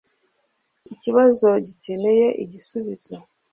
ikibazo gikeneye igisubizo